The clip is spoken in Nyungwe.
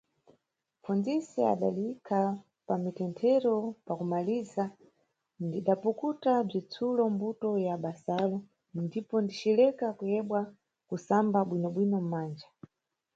Mpfunzisi adaliyikha pa mtenthero, pa kumaliza ndidapukuta, bzitsulo, mbuto ya basalo ndipo ndicileka kuyebwa kusamba bwino-bwino mʼmanja.